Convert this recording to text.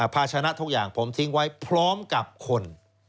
ภาชนะทุกอย่างผมทิ้งไว้พร้อมกับคน